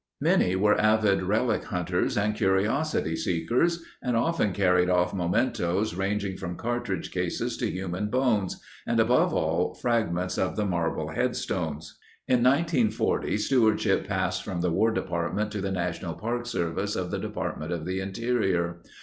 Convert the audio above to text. Many were avid relic hunters and curiosity seekers and often carried off mementos ranging from cartridge cases to human bones and, above all, fragments of the marble headstones. In 1940 stewardship passed from the War Depart ment to the National Park Service of the Depart ment of the Interior.